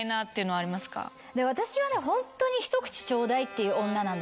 私はホントに「一口ちょうだい」って言う女なんです。